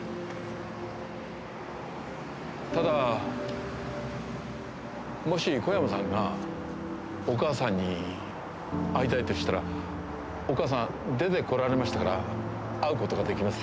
ただ、もし小山さんがお母さんに会いたいとしたらお母さん出てこられましたから会うことができます。